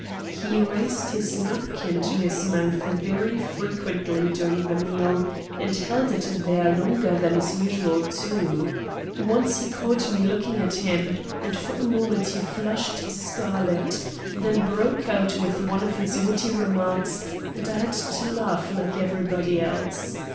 "He raised his napkin to his mouth very frequently during the meal and held it there longer than is usual, too. Once he caught me looking at him, and for a moment he flushed scarlet, then he broke out with one of his witty remarks and I had to laugh like everybody else.